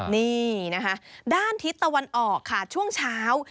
นี่นะคะด้านทิศตะวันออกค่ะช่วงเช้า